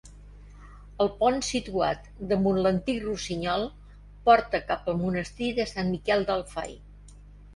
El pont situat damunt l'antic Rossinyol, porta cap al monestir de Sant Miquel del Fai.